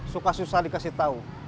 suka susah dikasih tahu